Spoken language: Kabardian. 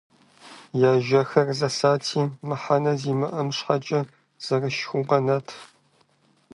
Я жьэхэр зэсати, мыхьэнэ зимыӏэм щхьэкӏэ зэрышхыу къэнат.